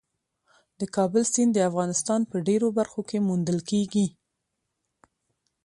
د کابل سیند د افغانستان په ډېرو برخو کې موندل کېږي.